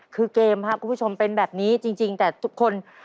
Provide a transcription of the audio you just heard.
คือเกมครับคุณผู้ชมเป็นแบบนี้จริงแต่ทุกคน